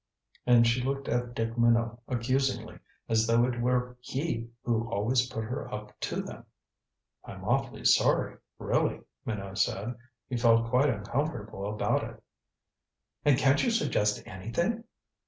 And she looked at Dick Minot accusingly, as though it were he who always put her up to them. "I'm awfully sorry, really," Minot said. He felt quite uncomfortable about it. "And can't you suggest anything?"